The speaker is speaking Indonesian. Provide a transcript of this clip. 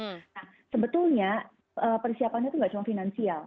nah sebetulnya persiapannya itu nggak cuma finansial